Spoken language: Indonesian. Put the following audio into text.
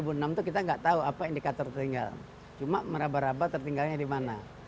sebelumnya dua ribu enam itu kita tidak tahu apa indikator tertinggal cuma meraba raba tertinggalnya di mana